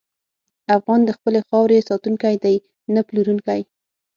افغان د خپلې خاورې ساتونکی دی، نه پلورونکی.